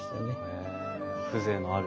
へえ風情のある。